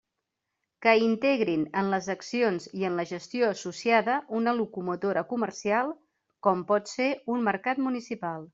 Que integrin en les accions i en la gestió associada una locomotora comercial, com pot ser un mercat municipal.